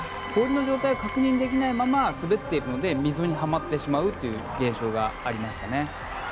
氷の状態を確認できないまま滑っているので溝にはまってしまうという現象がありましたね。